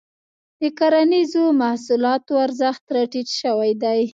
د کرنیزو محصولاتو ارزښت راټيټ شوی دی.